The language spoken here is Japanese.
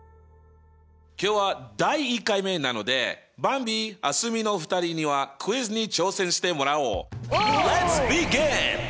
今日は第１回目なのでばんび蒼澄の２人にはクイズに挑戦してもらおう！